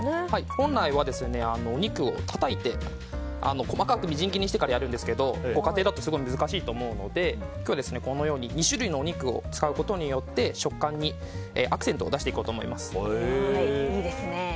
本来はお肉をたたいて細かくみじん切りにしてからやるんですけどご家庭では難しいと思うので今日は、このように２種類のお肉を使うことによって食感にアクセントを出していこうと思います。